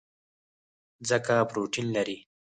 ځکه پروټین لري.